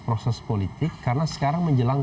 politik karena sekarang menjelang